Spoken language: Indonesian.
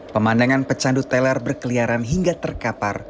pemandangan pecandu teller berkeliaran hingga terkapar